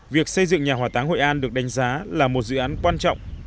việc xây dựng nhà hỏa táng hội an được đánh giá là một dự án quan trọng